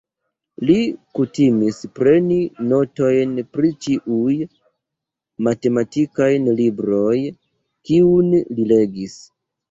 Li kutimis preni notojn pri ĉiuj matematikaj libroj, kiun li legis.